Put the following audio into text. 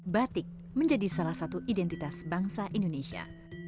batik menjadi salah satu identitas bangsa indonesia